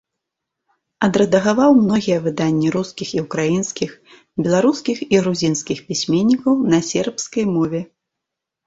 Адрэдагаваў многія выданні рускіх і ўкраінскіх, беларускіх і грузінскіх пісьменнікаў на сербскай мове.